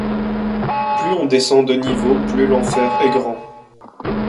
Plus on descend de niveau plus l'enfer est grand.